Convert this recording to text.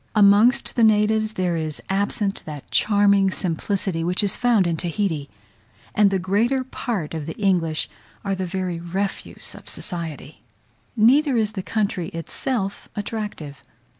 Amongst the natives there is absent that charming simplicity which is found in Tahiti; and the greater part of the English are the very refuse of society. Neither is the country itself attractive.